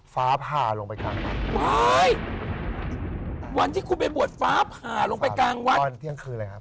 ฟ้าผ่าลงไปกลางวัน